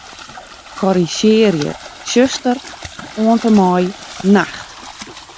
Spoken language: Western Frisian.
Korrizjearje 'tsjuster' oant en mei 'nacht'.